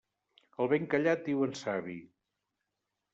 Al ben callat diuen savi.